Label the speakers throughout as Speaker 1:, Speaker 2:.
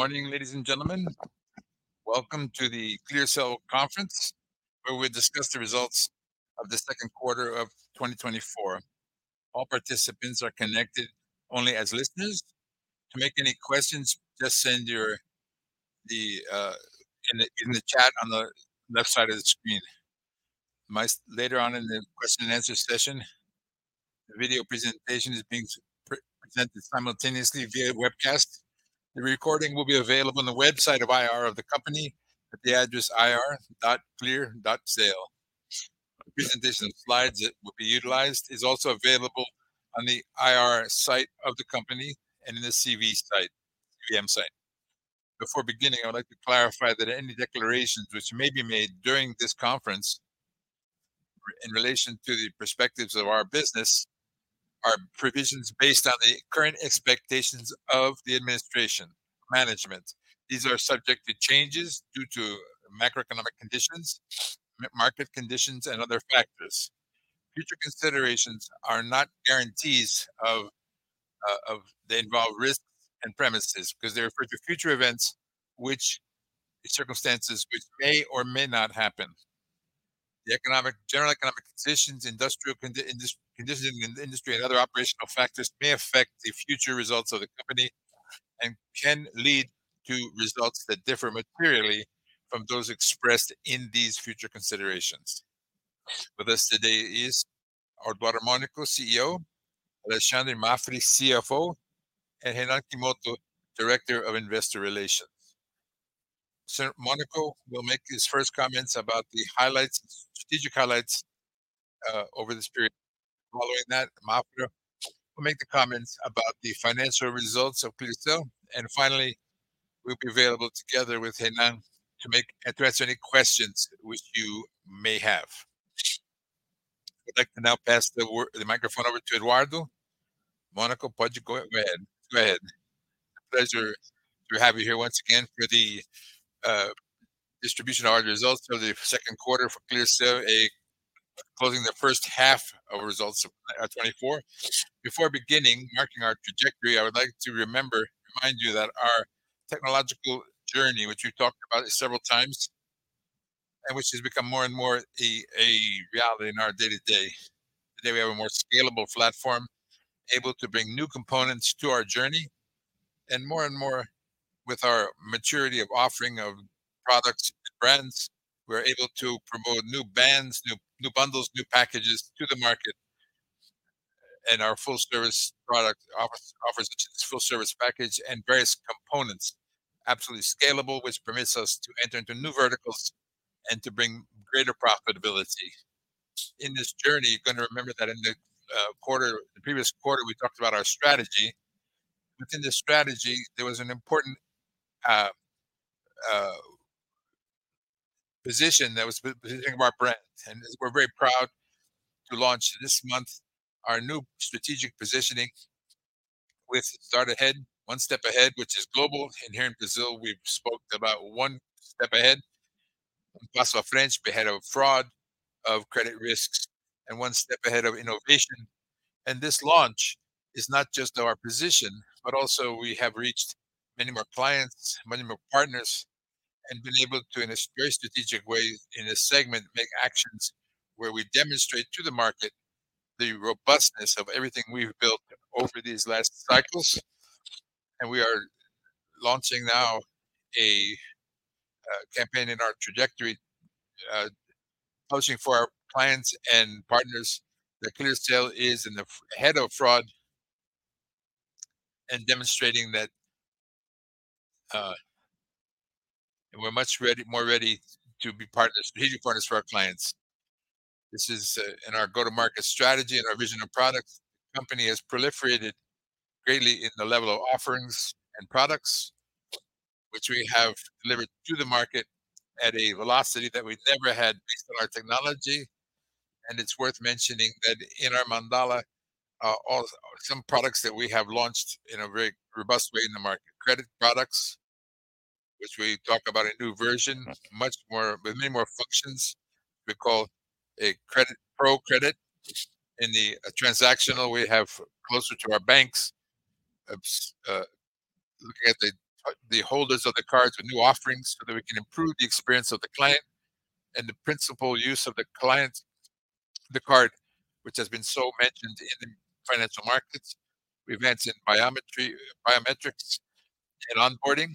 Speaker 1: Good morning, ladies and gentlemen. Welcome to the ClearSale Conference, where we discuss the results of the Q2 of 2024. All participants are connected only as listeners. To make any questions, just send your questions in the chat on the left side of the screen. Later on in the question and answer session, the video presentation is being presented simultaneously via webcast. The recording will be available on the website of IR of the company at the address ir.clearsale. The presentation slides that will be utilized is also available on the IR site of the company and in the CVM site. Before beginning, I would like to clarify that any declarations which may be made during this conference in relation to the perspectives of our business are provisions based on the current expectations of the administration management. These are subject to changes due to macroeconomic conditions, market conditions, and other factors. Future considerations are not guarantees of. They involve risks and premises because they refer to future events, which circumstances which may or may not happen. General economic conditions, industrial conditions in the industry, and other operational factors may affect the future results of the company and can lead to results that differ materially from those expressed in these future considerations. With us today is Eduardo Mônaco, CEO, Alexandre Mafra, CFO, and Renan Ikemoto, Director of Investor Relations. Mônaco will make his first comments about the highlights, strategic highlights, over this period. Following that, Mafra will make the comments about the financial results of ClearSale, and finally, we'll be available together with Renan to address any questions which you may have. I'd like to now pass the microphone over to Eduardo Mônaco. Go ahead. Go ahead.
Speaker 2: Pleasure to have you here once again for the distribution of our results for the Q2 for ClearSale, closing the H1 of results of 2024. Before beginning mapping our trajectory, I would like to remind you that our technological journey, which we've talked about several times, and which has become more and more a reality in our day to day. Today, we have a more scalable platform, able to bring new components to our journey, and more and more with our maturity of offering of products and brands, we're able to promote new brands, new bundles, new packages to the market. And our full service product offers this full service package and various components, absolutely scalable, which permits us to enter into new verticals and to bring greater profitability. In this journey, you're going to remember that in the quarter, the previous quarter, we talked about our strategy. Within this strategy, there was an important position that was positioning of our brand, and we're very proud to launch this month our new strategic positioning with Start Ahead, One Step Ahead, which is global. And here in Brazil, we've spoke about One Step Ahead. [foreign languages] For, ahead of fraud, of credit risks, and one step ahead of innovation. This launch is not just our position, but also we have reached many more clients, many more partners, and been able to, in a very strategic way, in a segment, make actions where we demonstrate to the market the robustness of everything we've built over these last cycles. We are launching now a campaign in our trajectory, positioning for our clients and partners that ClearSale is in the fight ahead of fraud, and demonstrating that. We're much more ready to be partners, strategic partners for our clients. This is in our go-to-market strategy and our vision of products. The company has proliferated greatly in the level of offerings and products, which we have delivered to the market at a velocity that we never had based on our technology. And it's worth mentioning that in our Mandala, some products that we have launched in a very robust way in the market. Credit products, which we talk about a new version, much more, with many more functions. We call a credit, Pro Credit. In the transactional, we have closer to our banks, looking at the, the holders of the cards with new offerings, so that we can improve the experience of the client and the principal use of the client, the card, which has been so mentioned in the financial markets. We've advanced in biometry, biometrics and onboarding,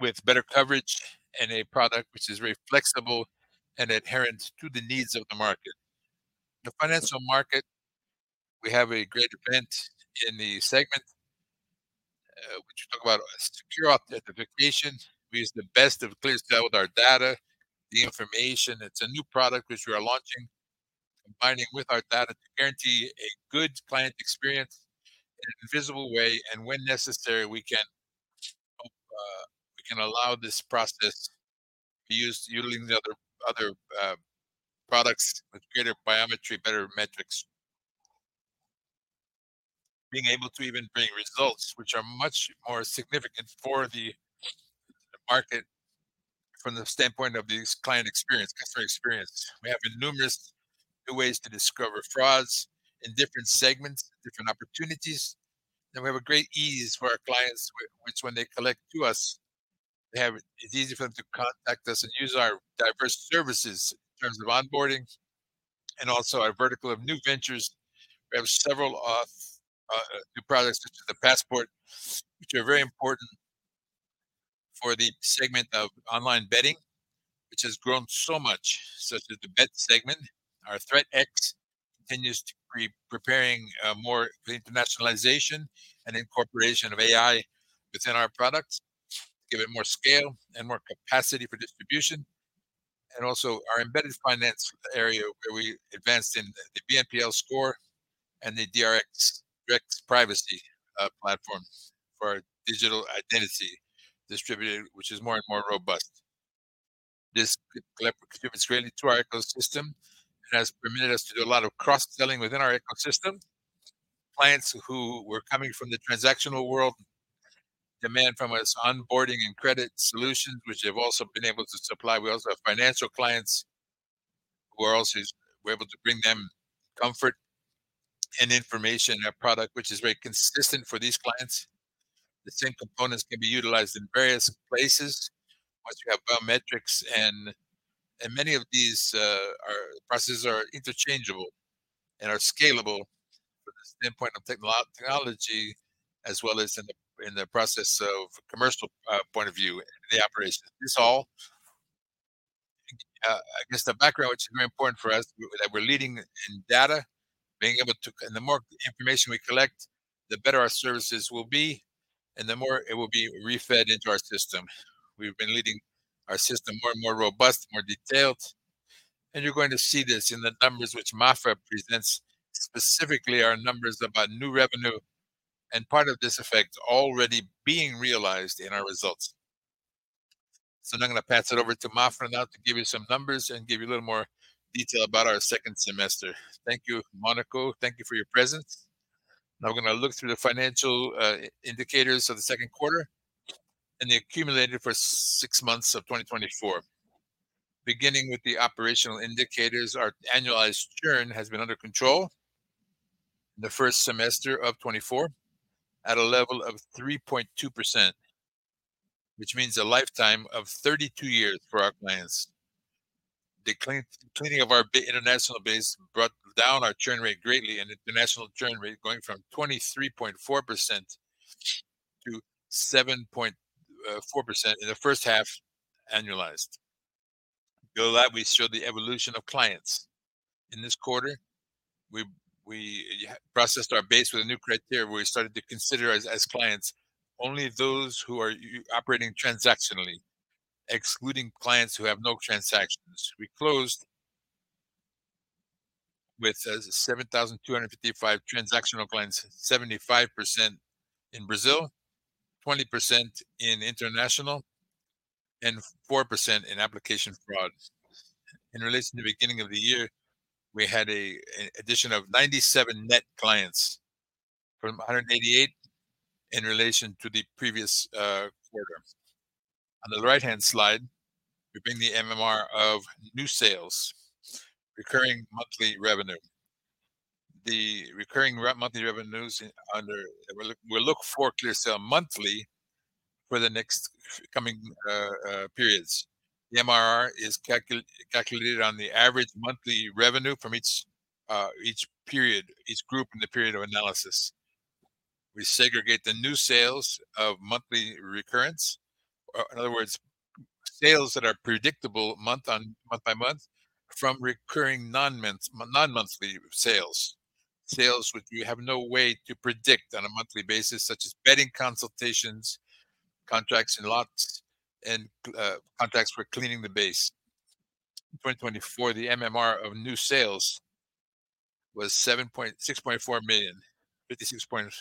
Speaker 2: with better coverage and a product which is very flexible and adherent to the needs of the market. The financial market, we have a great event in the segment, which we talk about secure authentication. We use the best of ClearSale with our data, the information. It's a new product which we are launching, combining with our data to guarantee a good client experience in an invisible way, and when necessary, we can, we can allow this process to be used using the other, other, products with greater biometrics, better metrics. Being able to even bring results which are much more significant for the, the market from the standpoint of the excellent client experience, customer experience. We have numerous new ways to discover frauds in different segments, different opportunities, and we have a great ease for our clients, which when they connect to us, they have. It's easy for them to contact us and use our diverse services in terms of onboarding and also our vertical of New Ventures. We have several new products, such as the Passport, which are very important for the segment of online betting, which has grown so much, such as the bet segment. Our ThreatX continues to be preparing more the internationalization and incorporation of AI within our products to give it more scale and more capacity for distribution, and also our embedded finance area, where we advanced in the BNPL Score and the DRX, DRX Privacy platform for our digital identity distributor, which is more and more robust. This collective contributes really to our ecosystem and has permitted us to do a lot of cross-selling within our ecosystem. Clients who were coming from the transactional world demand from us onboarding and credit solutions, which they've also been able to supply. We also have financial clients who are also. We're able to bring them comfort and information, a product which is very consistent for these clients. The same components can be utilized in various places. Once you have biometrics and many of these are processes are interchangeable and are scalable from the standpoint of technology, as well as in the process of commercial point of view and the operations. This all, I guess, the background, which is very important for us, that we're leading in data, being able to... And the more information we collect, the better our services will be, and the more it will be refed into our system. We've been leading our system more and more robust, more detailed, and you're going to see this in the numbers which Mafra presents, specifically our numbers about new revenue and part of this effect already being realized in our results. So now I'm going to pass it over to Mafra now to give you some numbers and give you a little more detail about our second semester.
Speaker 3: Thank you, Mônaco. Thank you for your presence. Now we're going to look through the financial indicators for the Q2 and the accumulated for six months of 2024. Beginning with the operational indicators, our annualized churn has been under control in the first semester of 2024, at a level of 3.2%, which means a lifetime of 32 years for our clients. The cleaning of our international base brought down our churn rate greatly, and international churn rate going from 23.4% to 7.4% in the H1, annualized. Below that, we show the evolution of clients. In this quarter, we processed our base with a new criteria, where we started to consider as clients, only those who are operating transactionally, excluding clients who have no transactions. We closed with 7,255 transactional clients, 75% in Brazil, 20% in international, and 4% in application fraud. In relation to the beginning of the year, we had a addition of 97 net clients from 188 in relation to the previous quarter. On the right-hand slide, we bring the MRR of new sales, Recurring Monthly Revenue. The recurring monthly revenues. We look for ClearSale monthly for the next coming periods. The MRR is calculated on the average monthly revenue from each period, each group in the period of analysis. We segregate the new sales of monthly recurrence, or in other words, sales that are predictable month on month by month, from recurring non-monthly sales. Sales, which we have no way to predict on a monthly basis, such as betting consultations, contracts and lots, and contracts for cleaning the base. In 2024, the MRR of new sales was 6.4 million, 56 point,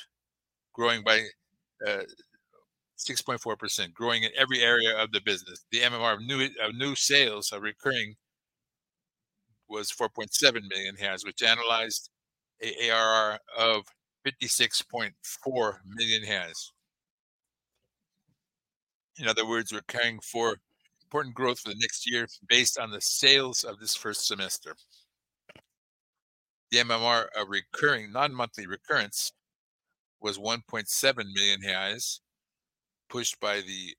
Speaker 3: growing by 6.4%, growing in every area of the business. The MRR of new sales of recurring was 4.7 million, which analyzed ARR of 56.4 million. In other words, we're carrying for important growth for the next year based on the sales of this first semester. The MRR of recurring, non-monthly recurrence was 1.7 million reais, pushed by the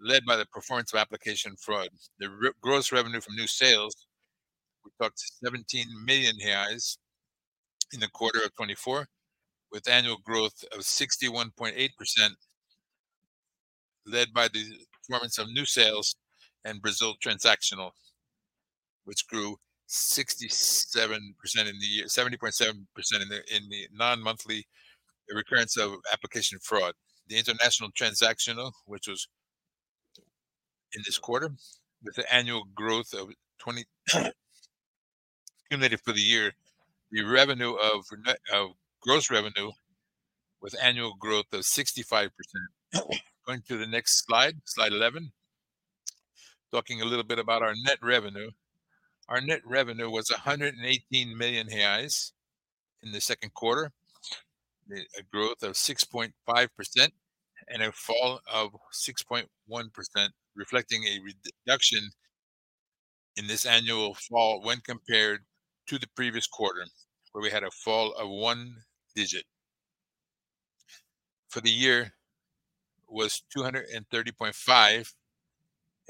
Speaker 3: led by the performance of application fraud. The gross revenue from new sales, we thought 17 million reais in the quarter of 2024, with annual growth of 61.8%, led by the performance of new sales and Brazil transactional, which grew 67% in the year, 70.7% in the, in the non-monthly recurrence of application fraud. The international transactional, which was in this quarter with the annual growth of twenty- cumulative for the year, the revenue of net, of gross revenue with annual growth of 65%. Going to the next slide, slide 11. Talking a little bit about our net revenue. Our net revenue was 118 million reais in the Q2, a growth of 6.5% and a fall of 6.1%, reflecting a reduction in this annual fall when compared to the previous quarter, where we had a fall of one digit. For the year, was 230.5,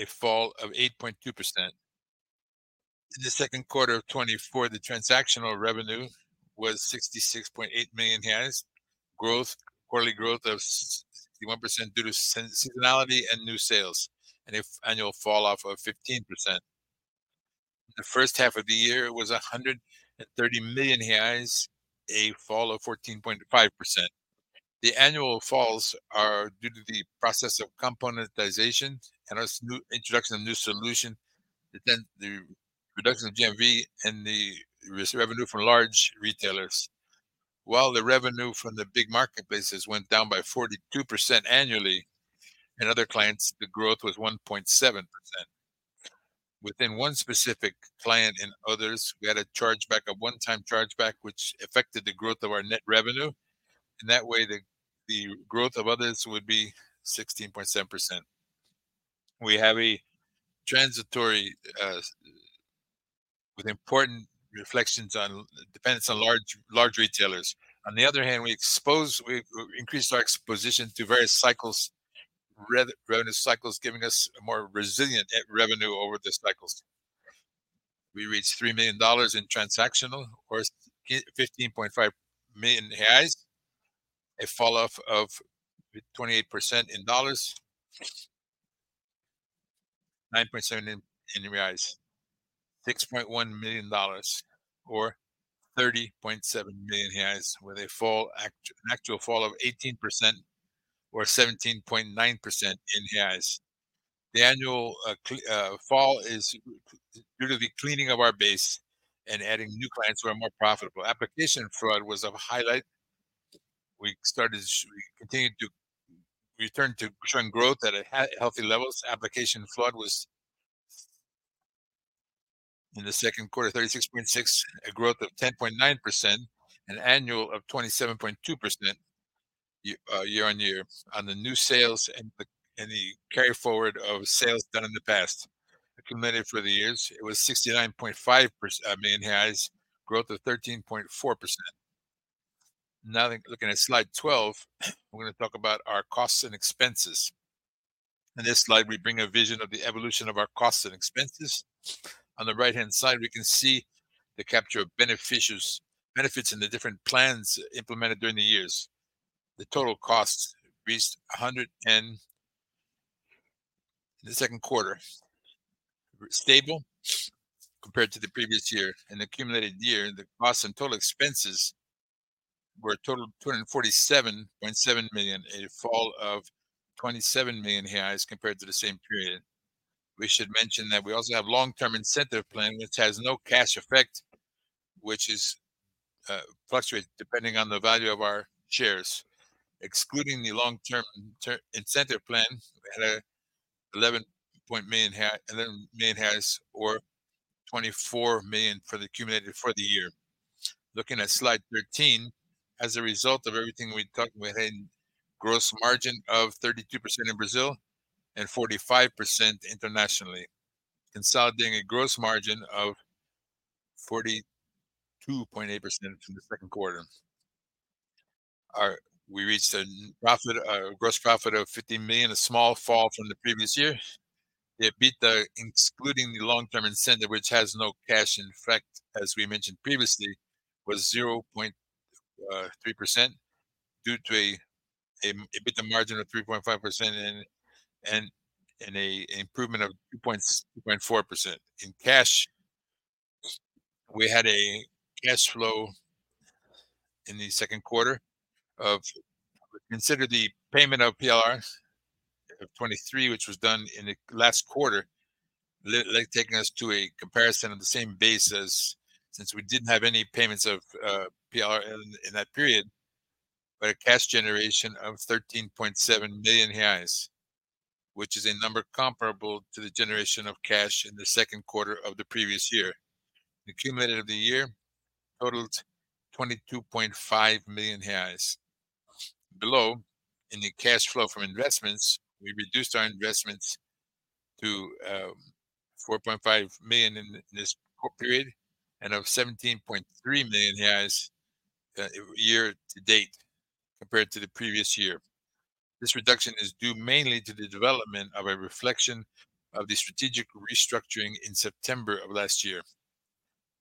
Speaker 3: a fall of 8.2%. In the Q2 of 2024, the transactional revenue was 66.8 million. Quarterly growth of 61% due to seasonality and new sales, and an annual fall of 15%. The H1 of the year was 130 million reais, a fall of 14.5%. The annual falls are due to the process of componentization and as new introduction of new solution, then the reduction of GMV and the revenue from large retailers. While the revenue from the big marketplaces went down by 42% annually, in other clients, the growth was 1.7%. Within one specific client and others, we had a chargeback, a one-time chargeback, which affected the growth of our net revenue, and that way, the growth of others would be 16.7%. We have a transitory with important reflections on dependence on large retailers. On the other hand, we increased our exposition to various cycles, revenue cycles, giving us a more resilient revenue over the cycles. We reached $3 million in transactional or 15.5 million reais, a fall off of 28% in dollars, 9.7% in reais. $6.1 million, or 30.7 million reais, with an actual fall of 18% or 17.9% in reais. The annual fall is due to the cleaning of our base and adding new clients who are more profitable. Application Fraud was a highlight. We continued to return to showing growth at a healthy levels. Application Fraud was, in the Q2, 36.6 million, a growth of 10.9%, an annual of 27.2% year-over-year. On the new sales and the carry forward of sales done in the past. Accumulated for the years, it was 69.5%, I mean, reais, growth of 13.4%. Now, looking at slide 12, we're going to talk about our costs and expenses. In this slide, we bring a vision of the evolution of our costs and expenses. On the right-hand side, we can see the capture of beneficial benefits in the different plans implemented during the years. The total cost reached a hundred and... In the Q2, stable compared to the previous year. In the accumulated year, the costs and total expenses were a total of 247.7 million, a fall of 27 million compared to the same period. We should mention that we also have Long-Term Incentive Plan, which has no cash effect, which is, fluctuates depending on the value of our shares. Excluding the long-term incentive plan, we had 11.1 million reais or $24 million for the cumulative for the year. Looking at slide 13, as a result of everything we talked, we had a gross margin of 32% in Brazil and 45% internationally, consolidating a gross margin of 42.8% in the Q2. We reached a gross profit of 15 million, a small fall from the previous year. EBITDA, excluding the long-term incentive, which has no cash, in fact, as we mentioned previously, was 0.3% due to an EBITDA margin of 3.5% and an improvement of 2.4%. In cash, we had a cash flow in the Q2. Consider the payment of PLRs of 23 million, which was done in the last quarter, like taking us to a comparison on the same basis, since we didn't have any payments of PLR in that period, but a cash generation of 13.7 million reais, which is a number comparable to the generation of cash in the Q2 of the previous year. The cumulative of the year totaled 22.5 million reais. Below, in the cash flow from investments, we reduced our investments to 4.5 million in this period and of 17.3 million year to date, compared to the previous year. This reduction is due mainly to the development of a reflection of the strategic restructuring in September of last year.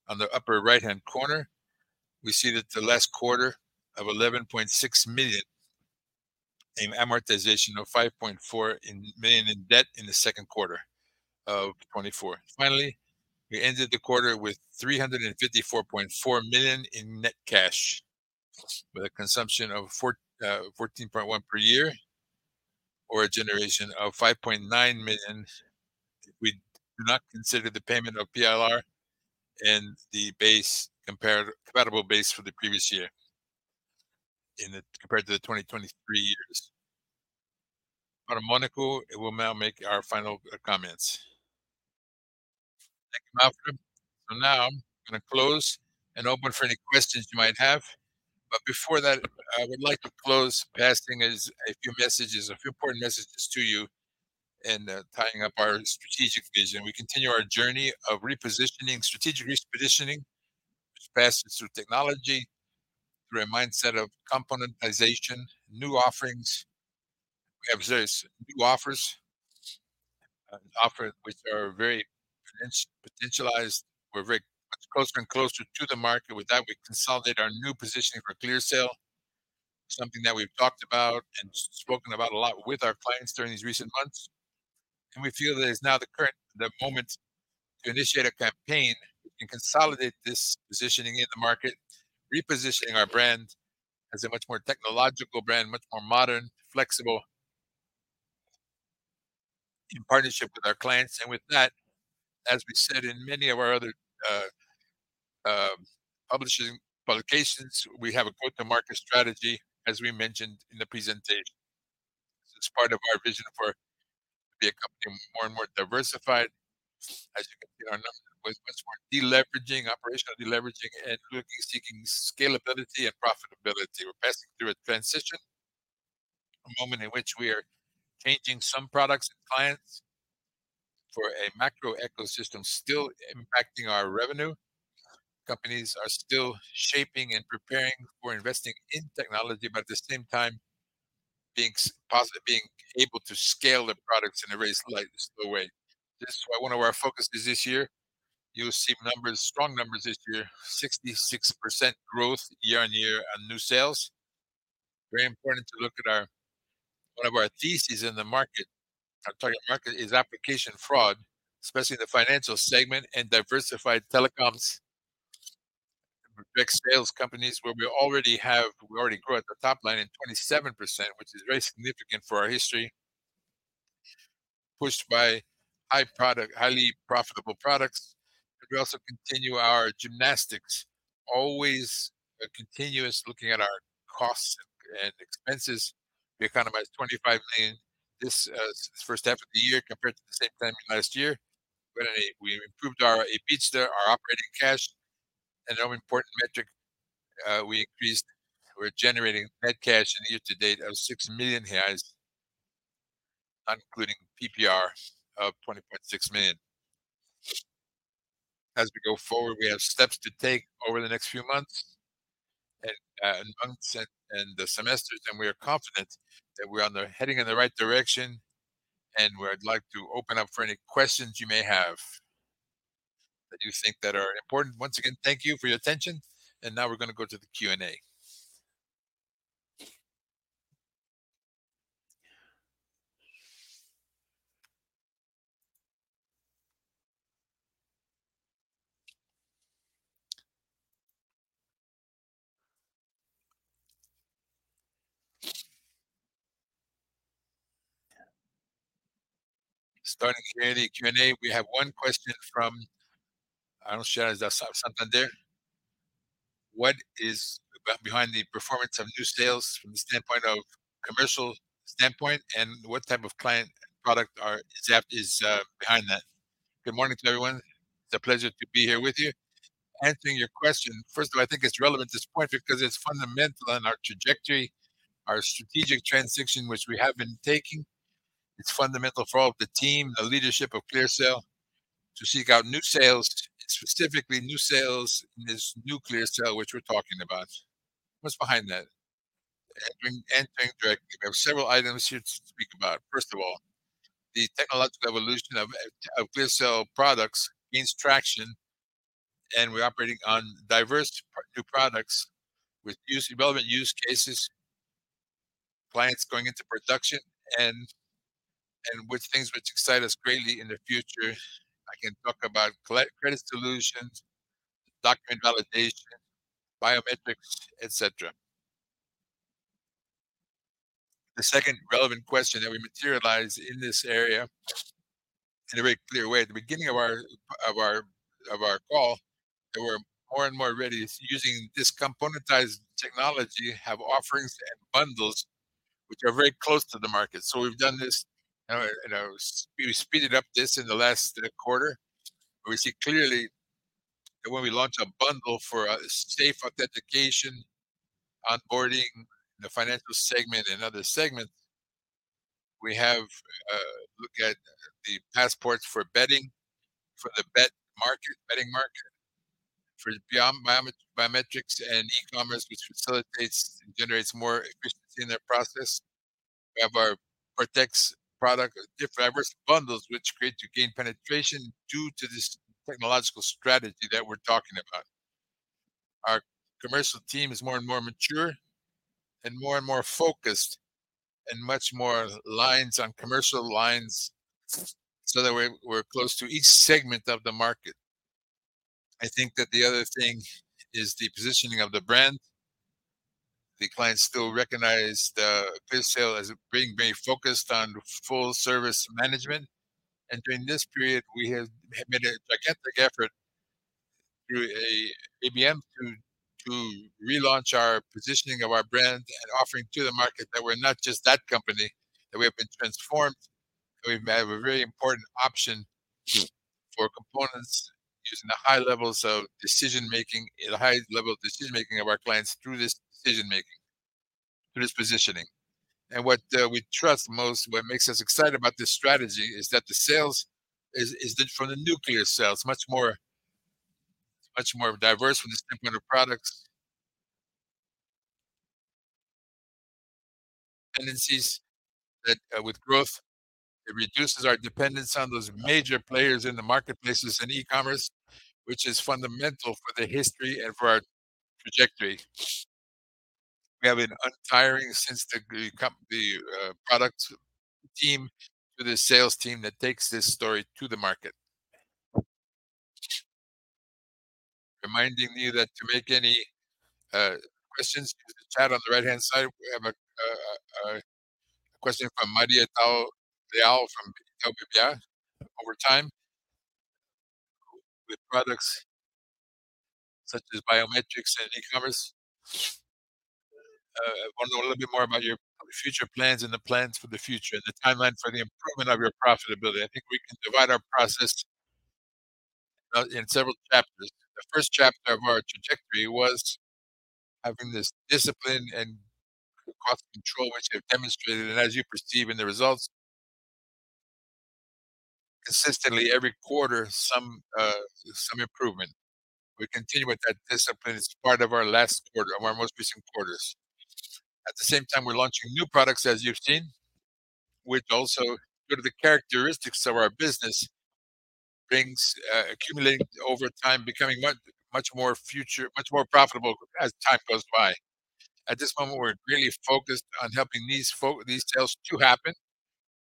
Speaker 3: On the upper right-hand corner, we see that the last quarter of 11.6 million in amortization of 5.4 million in debt in the Q2 of 2024. Finally, we ended the quarter with 354.4 million in net cash, with a consumption of 41.1 million per year, or a generation of 5.9 million. We do not consider the payment of PLR and the comparable base for the previous year in the... compared to the 2023 years.... For Eduardo Mônaco, and we'll now make our final, comments.
Speaker 2: Thank you, Mafra. So now I'm gonna close and open for any questions you might have. But before that, I would like to close by sharing a few messages, a few important messages to you, in tying up our strategic vision. We continue our journey of repositioning, strategic repositioning, which passes through technology, through a mindset of componentization, new offerings. We have various new offers, offers which are very potentialized. We're very much closer and closer to the market. With that, we consolidate our new positioning for ClearSale, something that we've talked about and spoken about a lot with our clients during these recent months. And we feel that it's now the current, the moment to initiate a campaign and consolidate this positioning in the market, repositioning our brand as a much more technological brand, much more modern, flexible, in partnership with our clients. And with that, as we said in many of our other publishing publications, we have a go-to-market strategy, as we mentioned in the presentation. This is part of our vision for, to be a company more and more diversified. As you can see, our numbers are much, much more deleveraging, operational deleveraging, and looking, seeking scalability and profitability. We're passing through a transition, a moment in which we are changing some products and clients for a macro ecosystem still impacting our revenue. Companies are still shaping and preparing for investing in technology, but at the same time, being able to scale the products in a very slight, slow way. This is why one of our focuses this year, you'll see numbers, strong numbers this year, 66% growth year-on-year on new sales. Very important to look at our... One of our theses in the market, our target market, is Application Fraud, especially in the financial segment, and diversified telecoms, and big sales companies, where we already grew at the top line in 27%, which is very significant for our history, pushed by high product, highly profitable products. But we also continue our gymnastics, always a continuous looking at our costs and expenses. We economized 25 million this H1 of the year compared to the same time last year. We improved our EBITDA, our operating cash, and our important metric, we increased. We're generating net cash in year to date of 6 million reais, not including PPR of 20.6 million. As we go forward, we have steps to take over the next few months, and months and semesters, and we are confident that we're heading in the right direction, and we'd like to open up for any questions you may have that you think that are important. Once again, thank you for your attention, and now we're gonna go to the Q&A.
Speaker 1: Starting the Q&A, we have one question from Ruben Couto, Santander. What is behind the performance of new sales from the standpoint of commercial standpoint, and what type of client product is behind that?
Speaker 2: Good morning to everyone. It's a pleasure to be here with you. Answering your question, first of all, I think it's relevant at this point because it's fundamental in our trajectory, our strategic transition, which we have been taking. It's fundamental for all of the team, the leadership of ClearSale, to seek out new sales, specifically new sales in this new ClearSale, which we're talking about. What's behind that? Adding direct, we have several items here to speak about. First of all, the technological evolution of ClearSale products means traction, and we're operating on diverse part, new products with use, relevant use cases, clients going into production, and with things which excite us greatly in the future. I can talk about credit solutions, document validation, biometrics, et cetera. The second relevant question that we materialized in this area, in a very clear way, at the beginning of our call, that we're more and more ready is using this componentized technology, have offerings and bundles which are very close to the market. We've done this, we speeded up this in the last quarter. We see clearly that when we launch a bundle for safe authentication, onboarding in the financial segment and other segments, we have look at the Passport for betting, for the bet market, betting market, for biometrics and e-commerce, which facilitates and generates more efficiency in that process. We have our Cortex product, different diverse bundles, which create to gain penetration due to this technological strategy that we're talking about. Our commercial team is more and more mature and more and more focused, and much more lines on commercial lines, so that we're close to each segment of the market. I think that the other thing is the positioning of the brand. The clients still recognize the ClearSale as being very focused on full service management, and during this period, we have made a gigantic effort through a ABM to relaunch our positioning of our brand and offering to the market that we're not just that company, that we have been transformed, and we have a very important option for components using the high levels of decision-making and a high level of decision-making of our clients through this decision-making, through this positioning. And what we trust most, what makes us excited about this strategy, is that the sales is that from the nuclear sales, much more, much more diverse from the standpoint of products. Tendencies that with growth, it reduces our dependence on those major players in the marketplaces and e-commerce, which is fundamental for the history and for our trajectory. We have an untiring product team to the sales team that takes this story to the market. Reminding me that to make any questions through the chat on the right-hand side, we have a question from Maria Clara Infantozzi from Itaú BBA. Over time, with products such as biometrics and e-commerce, I want to know a little bit more about your future plans and the plans for the future, and the timeline for the improvement of your profitability. I think we can divide our process in several chapters. The first chapter of our trajectory was having this discipline and cost control, which you have demonstrated and as you perceive in the results. Consistently, every quarter, some improvement. We continue with that discipline as part of our last quarter, of our most recent quarters. At the same time, we're launching new products, as you've seen, which also go to the characteristics of our business, brings accumulating over time, becoming much, much more profitable as time goes by. At this moment, we're really focused on helping these sales to happen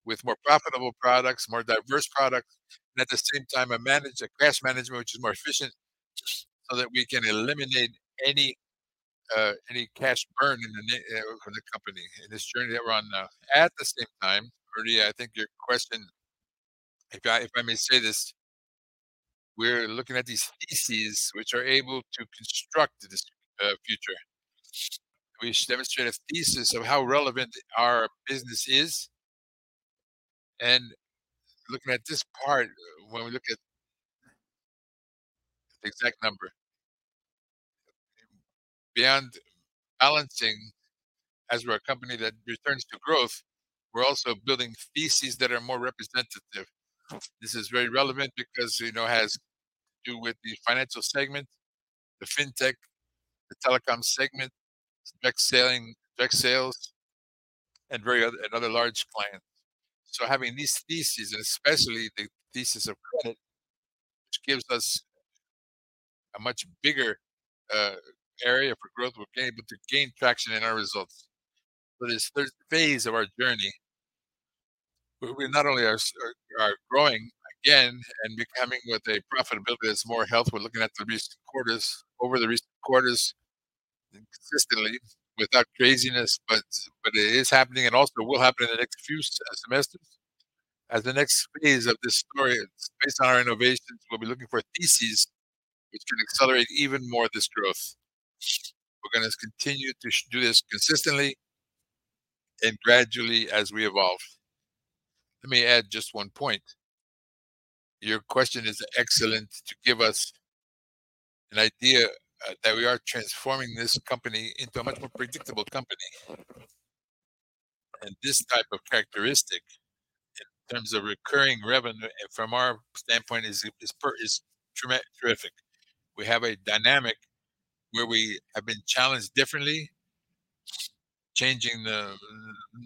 Speaker 2: with more profitable products, more diverse products, and at the same time, a cash management, which is more efficient, so that we can eliminate any, any cash burn from the company in this journey that we're on now. At the same time, Maria, I think your question, if I may say this, we're looking at these theses which are able to construct this future. We should demonstrate a thesis of how relevant our business is, and looking at this part, when we look at the exact number, beyond balancing, as we're a company that returns to growth, we're also building theses that are more representative. This is very relevant because, you know, it has to do with the financial segment, the fintech, the telecom segment, direct selling, direct sales, and other large clients. So having these theses, and especially the thesis of credit, which gives us a much bigger area for growth, we'll be able to gain traction in our results. For this third phase of our journey, we not only are growing again and becoming with a profitability that's more healthy, we're looking at the recent quarters, over the recent quarters, consistently, without craziness, but it is happening and also will happen in the next few semesters. As the next phase of this story, based on our innovations, we'll be looking for theses which can accelerate even more this growth. We're gonna continue to do this consistently and gradually as we evolve. Let me add just one point. Your question is excellent to give us an idea that we are transforming this company into a much more predictable company. And this type of characteristic, in terms of recurring revenue, from our standpoint, is terrific. We have a dynamic where we have been challenged differently, changing the,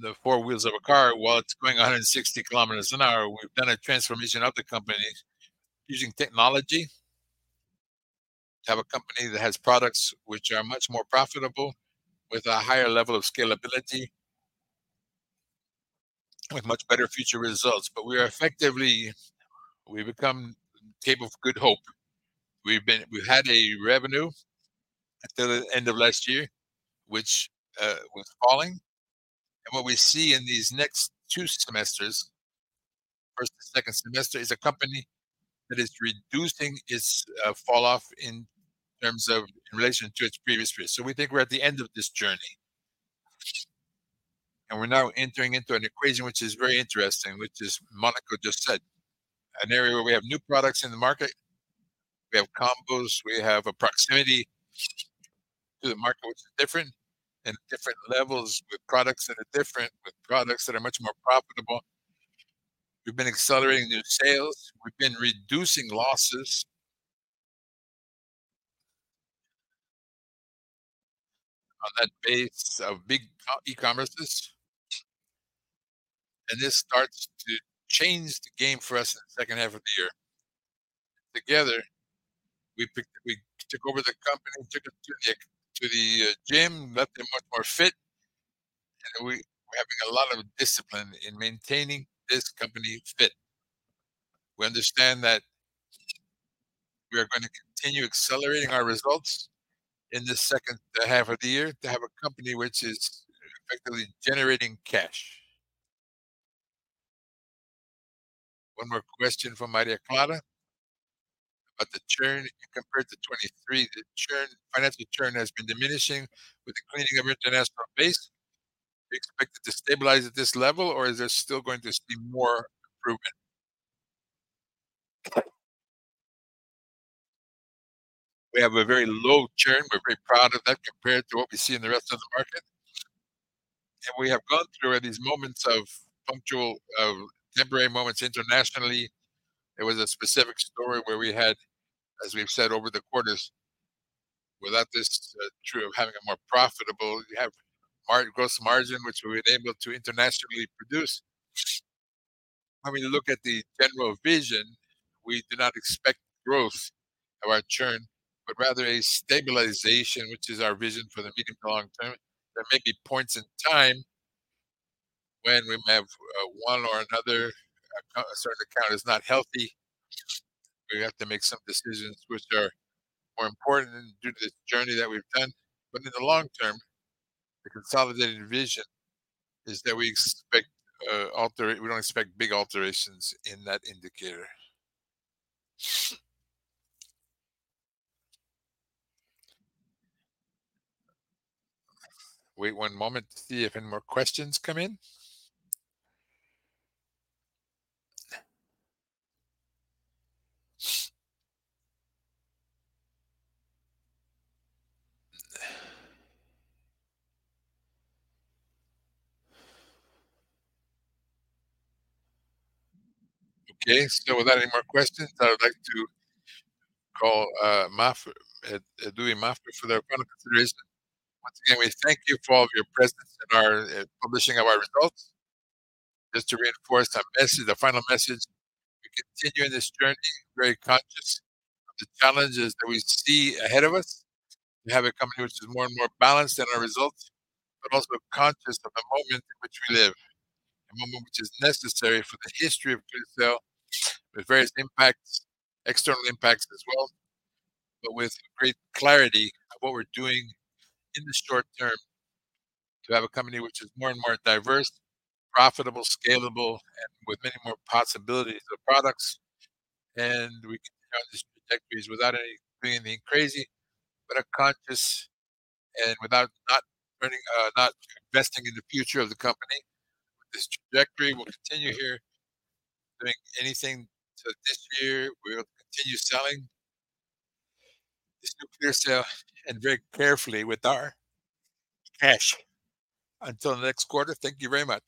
Speaker 2: the four wheels of a car while it's going 160 kilometers an hour. We've done a transformation of the company using technology, to have a company that has products which are much more profitable, with a higher level of scalability, with much better future results. But we are effectively. We've become capable of good hope. We've been. We've had a revenue until the end of last year, which was falling. And what we see in these next two semesters, first and second semester, is a company that is reducing its falloff in terms of in relation to its previous period. So we think we're at the end of this journey.
Speaker 3: And we're now entering into an equation which is very interesting, which is Mônaco just said, an area where we have new products in the market, we have combos, we have a proximity to the market, which is different, and different levels with products that are different, with products that are much more profitable. We've been accelerating new sales. We've been reducing losses on that base of big e-commerces, and this starts to change the game for us in the H2 of the year. Together, we took over the company, took them to the gym, left them much more fit, and we're having a lot of discipline in maintaining this company fit. We understand that we are gonna continue accelerating our results in this H2 of the year, to have a company which is effectively generating cash.
Speaker 1: One more question from Maria Clara about the churn. Compared to 2023, the churn, financial churn has been diminishing with the cleaning of international base. We expect it to stabilize at this level, or is there still going to be more improvement?
Speaker 2: We have a very low churn. We're very proud of that compared to what we see in the rest of the market. And we have gone through these moments of punctual temporary moments internationally. There was a specific story where we had, as we've said over the quarters, without this true of having a more profitable—we have gross margin, which we were able to internationally produce. Having a look at the general vision, we do not expect growth of our churn, but rather a stabilization, which is our vision for the medium to long term. There may be points in time when we may have, one or another account, a certain account is not healthy, we have to make some decisions which are more important due to the journey that we've done. But in the long term, the consolidated vision is that we expect, we don't expect big alterations in that indicator.
Speaker 1: Wait one moment to see if any more questions come in. Okay, so without any more questions, I would like to call, Alexandre Mafra for the final considerations.
Speaker 3: Once again, we thank you for all of your presence in our, publishing of our results. Just to reinforce our message, the final message, we continue in this journey very conscious of the challenges that we see ahead of us. We have a company which is more and more balanced in our results, but also conscious of the moment in which we live, a moment which is necessary for the history of ClearSale, with various impacts, external impacts as well, but with great clarity of what we're doing in the short term to have a company which is more and more diverse, profitable, scalable, and with many more possibilities of products. And we continue on this trajectories without any doing anything crazy, but are conscious and without not running, not investing in the future of the company. With this trajectory, we'll continue here doing anything. So this year, we'll continue selling this new ClearSale and very carefully with our cash.
Speaker 1: Until the next quarter, thank you very much.